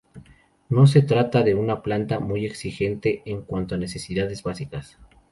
No se trata de una planta muy exigente en cuanto a necesidades básicas.